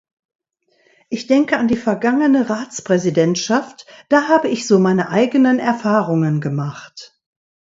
Ich denke an die vergangene Ratspräsidentschaft, da habe ich so meine eigenen Erfahrungen gemacht.